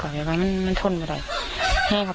เหมือนตัวเองอยากทหารอยากเรื่อยนะครับ